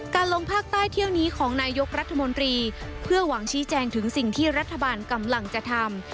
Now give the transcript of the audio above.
ลงภาคใต้เที่ยวนี้ของนายกรัฐมนตรีเพื่อหวังชี้แจงถึงสิ่งที่รัฐบาลกำลังจะทำ